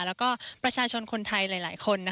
แล้วก็ประชาชนคนไทยหลายคน